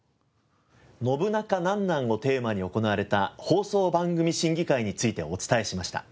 『ノブナカなんなん？』をテーマに行われた放送番組審議会についてお伝えしました。